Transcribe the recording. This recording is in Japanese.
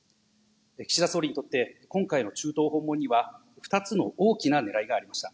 岸田総理にとって、今回の中東訪問には、２つの大きなねらいがありました。